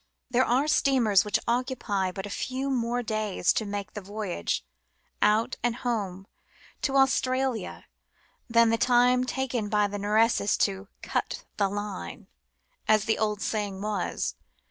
There are steamers which occupy but a few more days in making the voyage, out and home, to Australia than the time taken by the Nereus to " cut the Line," as the old saying was.